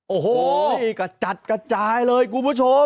โอ้โหกระจัดกระจายเลยคุณผู้ชม